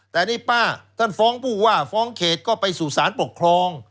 แต่นี่ป้าท่านฟ้องผู้ว่าฟ้องเขตก็ไปสู่สารปกครอง